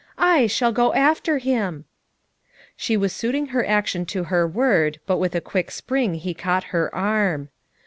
/ shall go after him," She was suiting her action to her word but with a quick spring he caught her arm.